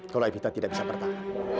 kalau evita tidak bisa bertahan